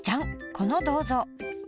この銅像。